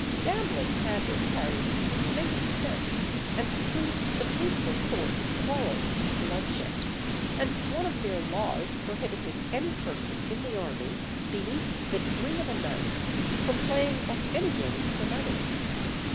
Gambling had been carried to a great extent, and proved the fruitful source of quarrels and bloodshed; and one of their laws prohibited any person in the army, beneath the degree of a knight, from playing at any game for money.